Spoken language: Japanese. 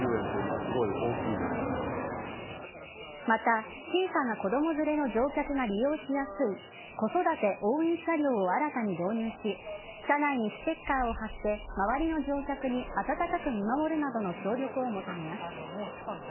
また、小さな子供連れの乗客が利用しやすい子育て応援車両を新たに導入し車内にステッカーを貼って周りの乗客に温かく見守るなどの協力を求めます。